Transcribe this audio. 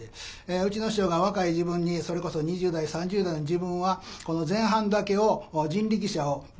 うちの師匠が若い時分にそれこそ２０代３０代の時分はこの前半だけを人力車をタクシーに変えてですね